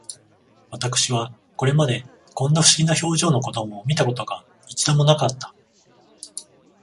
私はこれまで、こんな不思議な表情の子供を見た事が、一度も無かった